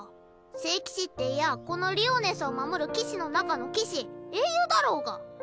聖騎士っていやこのリオネスを守る騎士の中の騎士英雄だろうが。